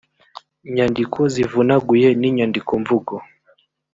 nyandiko zivunaguye n inyandikomvugo